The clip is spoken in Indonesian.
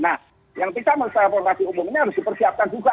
nah yang kita melakukan transformasi umum ini harus dipersiapkan juga